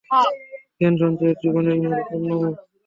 জ্ঞান সঞ্চয়েই জীবনের পূর্ণ সুখ।